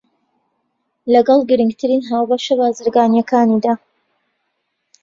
لەگەڵ گرنگترین هاوبەشە بازرگانییەکانیدا